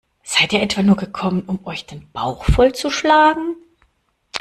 Seid ihr etwa nur gekommen, um euch den Bauch voll zu schlagen?